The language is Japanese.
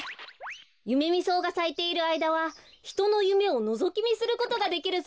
ユメミソウがさいているあいだはひとのゆめをのぞきみすることができるそうですよ。